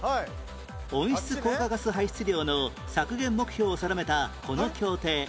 温室効果ガス排出量の削減目標を定めたこの協定